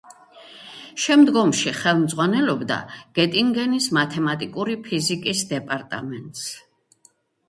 შემდგომში ხელმძღვანელობდა გეტინგენის მათემატიკური ფიზიკის დეპარტამენტს.